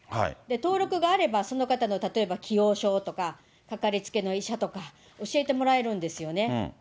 登録があれば、その方の、例えば既往症とか、かかりつけの医者とか教えてもらえるんですよね。